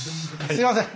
すみません。